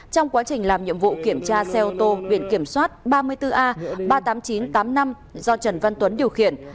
trong quá trình làm nhiệm vụ kiểm tra xe ô tô viện kiểm soát ba mươi bốn a ba trăm tám mươi chín tám mươi năm do trần văn tuấn điều khiển